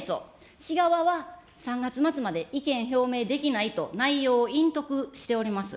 市側は３月末まで意見表明できないと内容を隠匿しております。